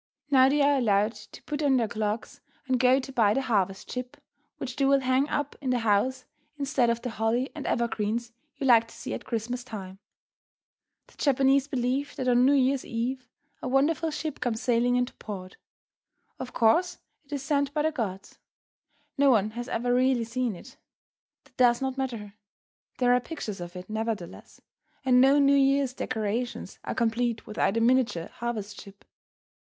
Now they are allowed to put on their clogs and go to buy the "harvest ship," which they will hang up in the house instead of the holly and evergreens you like to see at Christmas time. The Japanese believe that on New Year's eve a wonderful ship comes sailing into port. Of course, it is sent by the gods. No one has ever really seen it. That does not matter; there are pictures of it, nevertheless, and no New Year's decorations are complete without a miniature harvest ship.